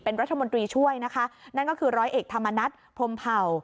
เป็นรัฐมนตรีช่วยนะคะนั่นก็คือร้อยเอกธรรมนัฐพรมเผ่า